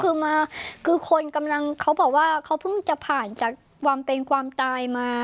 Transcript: คือมาคือคนกำลังเขาบอกว่าเขาเพิ่งจะผ่านจากความเป็นความตายมา